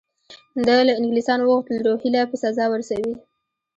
ده له انګلیسیانو وغوښتل روهیله په سزا ورسوي.